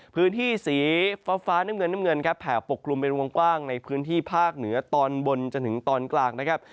พื้นที่สีฟ้าน้ำเงินน้ำเงินครับแผ่ปกกลุ่มเป็นวงกว้างในพื้นที่ภาคเหนือตอนบนจนถึงตอนกลางนะครับ